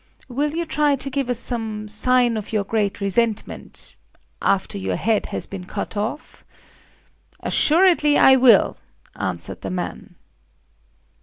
Will you try to give us some sign of your great resentment—after your head has been cut off?" "Assuredly I will," answered the man.